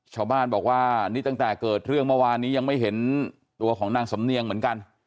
ชาวบ้านบอกว่านี่ตั้งแต่เกิดเรื่องเมื่อวานนี้ยังไม่เห็นตัวของนางสำเนียงเหมือนกัน